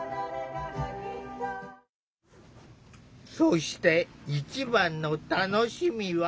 そして一番の楽しみは。